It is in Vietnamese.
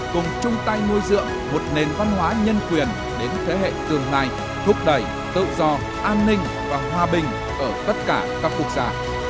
cùng chung tay nuôi dưỡng một nền văn hóa nhân quyền đến thế hệ tương lai thúc đẩy tự do an ninh và hòa bình ở tất cả các quốc gia